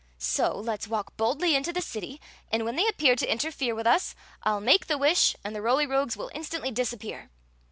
So let s walk boldly into the city, and when they appear to interfere with us I '11 make the wish and the Roly Rogues will instantly disappear."